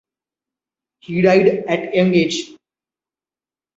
He died at young age.